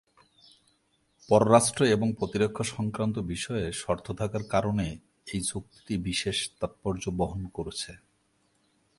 পররাষ্ট্র এবং প্রতিরক্ষা সংক্রান্ত বিষয়ে শর্ত থাকার কারণে এই চুক্তিটি বিশেষ তাৎপর্য বহন করেছে।